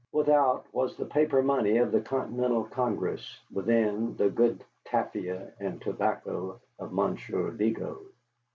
Without was the paper money of the Continental Congress, within the good tafia and tobacco of Monsieur Vigo.